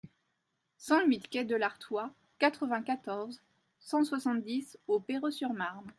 cent huit quai de l'Artois, quatre-vingt-quatorze, cent soixante-dix au Perreux-sur-Marne